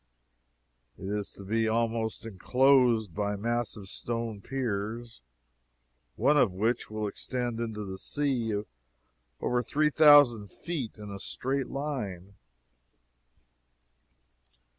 It is to be almost inclosed by massive stone piers, one of which will extend into the sea over three thousand feet in a straight line.